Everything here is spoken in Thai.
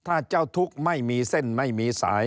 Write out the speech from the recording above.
ถ้าเจ้าทุกข์ไม่มีเส้นไม่มีสาย